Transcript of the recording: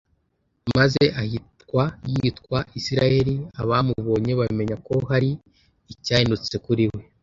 maze ahitwa yitwa Isiraheli; abamubonye bamenya ko hari icyahindutse kuri we